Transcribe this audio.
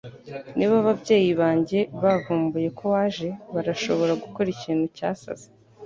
Niba ababyeyi banjye bavumbuye ko waje, barashobora gukora ikintu cyasaze.